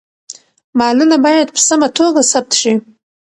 مالونه باید په سمه توګه ثبت شي.